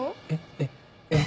えっえっ。